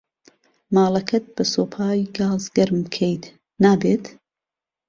ماڵەکەت بە سۆپای گاز گەرم بکەیت.نابێت